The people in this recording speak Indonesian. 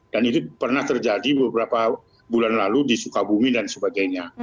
dan itu pernah terjadi beberapa bulan lalu di sukabumi dan sebagainya